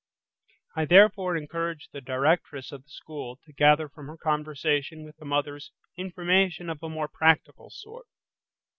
I therefore encourage the directress of the school to gather from her conversation with the mothers information of a more practical sort.